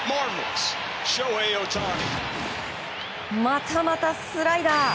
またまたスライダー！